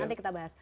nanti kita bahas